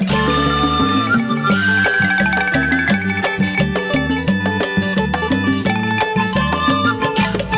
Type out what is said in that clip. กลับมาที่สุดท้าย